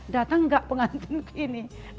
datang gak pengantinku ini